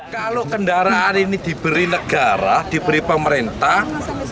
kalau kendaraan ini diberi negara diberi pemerintah